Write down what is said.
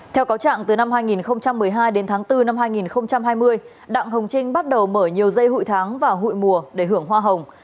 theo cáo trạng từ năm hai nghìn một mươi hai đến tháng bốn năm hai nghìn hai mươi đặng hồng trinh bắt đầu mở nhiều dây hụi tháng và hụi mùa để hưởng hoa hồng